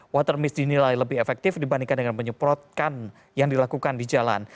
water miss dinilai lebih efektif dibandingkan dengan menyeprotkan yang dilakukan di jalan